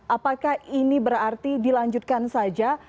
apakah ini berarti dilanjutkan saja